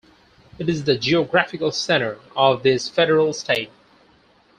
It is the geographical center of this federal state.